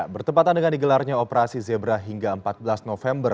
bertepatan dengan digelarnya operasi zebra hingga empat belas november